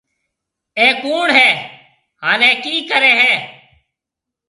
اَي ڪوُڻ هيَ هانَ اَي ڪِي ڪريَ هيَ۔